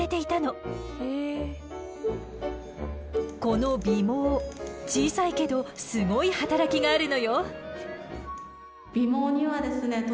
この尾毛小さいけどすごい働きがあるのよ。